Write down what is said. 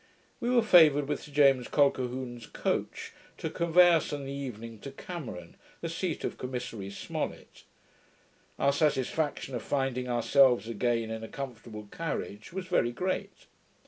We were favoured with Sir James Colquhoun's coach to convey us in the evening to Cameron, the seat of Commissary Smollet. Our satisfaction of finding ourselves again in a comfortable carriage was very great.